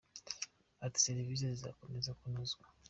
Ati serivisi zizakomeza kunozwa.